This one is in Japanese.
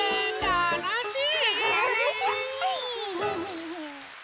たのしい！